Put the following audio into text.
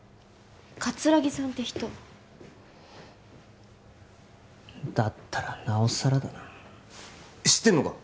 葛城さんって人だったらなおさらだな知ってんのか！？